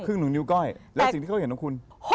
หนูนิ้วก้อยแล้วสิ่งที่เขาเห็นของคุณ